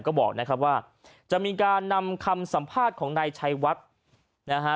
ก็บอกนะครับว่าจะมีการนำคำสัมภาษณ์ของนายชัยวัดนะฮะ